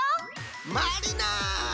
まりな！